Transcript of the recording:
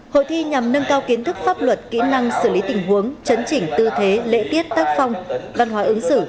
hội thi nhằm nâng cao kiến thức pháp luật kỹ năng xử lý tình huống chấn chỉnh tư thế lễ tiết tác phong văn hóa ứng xử